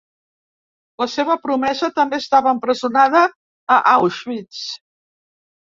La seva promesa també estava empresonada a Auschwitz.